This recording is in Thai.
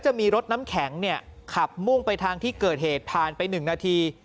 จะมีรถน้ำแข็งขับมุ่งไปทางที่เกิดเหตุผ่านไป๑นาที